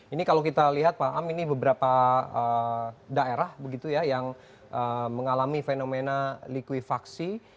ini kalau kita lihat pak am ini beberapa daerah yang mengalami fenomena likuifaksi